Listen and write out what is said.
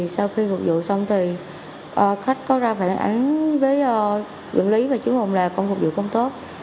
sau khi phục vụ xong thì khách có ra phản ánh với dưỡng lý và chú hùng là con phục vụ không tốt